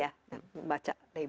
ya membaca label